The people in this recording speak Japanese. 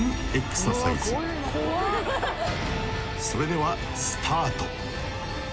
［それではスタート］